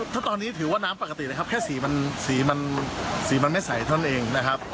ถ้าตอนนี้ถือว่าน้ำปกติเลยครับแค่สีมันสีมันสีมันไม่ใสเท่านั้นเองนะครับ